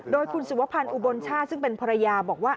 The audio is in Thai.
โดยคุณสุวพันธ์อุบลชาติซึ่งเป็นภรรยาบอกว่า